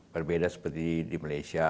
berbeda seperti di malaysia